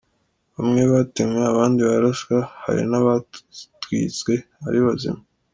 Bamwe batemwe, abandi bararaswa, hari n’abatwitswe ari bazima.